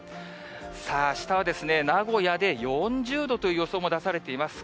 さあ、あしたは名古屋で４０度という予想も出されています。